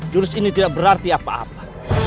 jurus ini tidak berarti apa apa